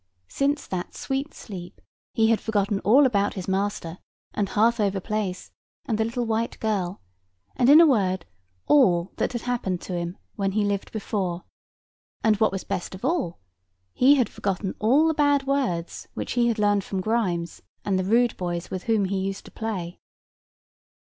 Since that sweet sleep, he had forgotten all about his master, and Harthover Place, and the little white girl, and in a word, all that had happened to him when he lived before; and what was best of all, he had forgotten all the bad words which he had learned from Grimes, and the rude boys with whom he used to play.